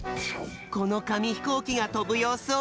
このかみひこうきがとぶようすをみてみよう！